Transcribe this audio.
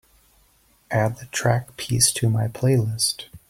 Add the track peace to my playlist